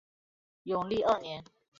永历二年。